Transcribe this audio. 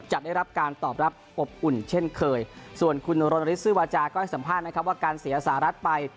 จะได้รับการตอบรับอบอุ่นเช่นเคยส่วนคุณรณฤทธซื้อวาจาก็ให้สัมภาษณ์นะครับว่าการเสียสหรัฐไป